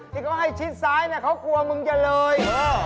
ที่เขาให้ชิดซ้ายเนี่ยเขากลัวมึงจะเลย